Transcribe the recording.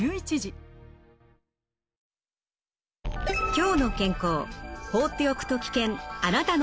「きょうの健康」。